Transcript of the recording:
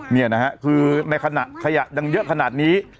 นี่นะฮะคือในขณะขยะยังเยอะขนาดนี้